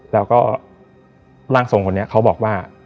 แล้วก็ร่างทรงคนนี้เขาบอกว่า